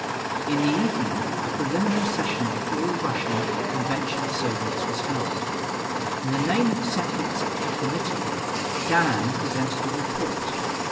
In the evening a preliminary session of the Second All Russian Convention of Soviets was held. In the name of the Central Executive Committee, Dan presented a report.